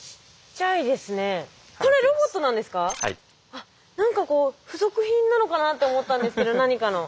あっ何かこう付属品なのかなと思ったんですけど何かの。